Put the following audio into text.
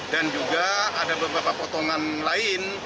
juga ada beberapa potongan lain